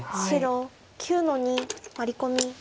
白９の二ワリ込み。